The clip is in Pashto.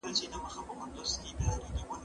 زه هره ورځ مړۍ خورم